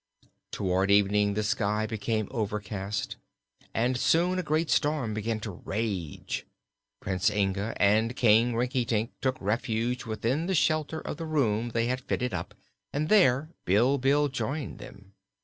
Toward evening the sky became overcast and soon a great storm began to rage. Prince Inga and King Rinkitink took refuge within the shelter of the room they had fitted up and there Bilbil joined them.